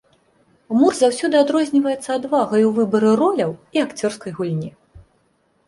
Мур заўсёды адрозніваецца адвагай у выбары роляў і акцёрскай гульні.